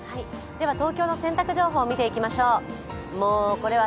東京の洗濯情報を見ていきましょう。